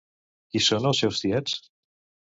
Qui són els seus tiets?